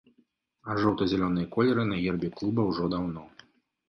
А жоўта-зялёныя колеры на гербе клуба ўжо даўно.